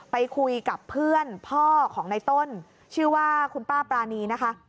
ไปคุยกับเพื่อนพ่อของในต้นชื่อว่าคุณป้าปรานีนะคะ